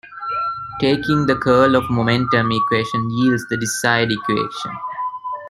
Taking the curl of momentum equation yields the desired equation.